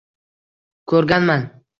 — Ko‘rganman…